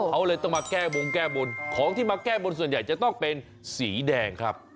เขาเลยต้องมาแก้บงแก้บนของที่มาแก้บนส่วนใหญ่จะต้องเป็นสีแดงครับ